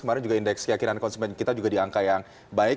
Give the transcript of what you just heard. kemarin juga indeks keyakinan konsumen kita juga di angka yang baik